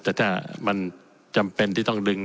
แต่ถ้ามันจำเป็นที่ต้องดึง